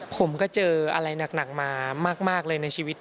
ผมก็เจออะไรหนักมามากเลยในชีวิต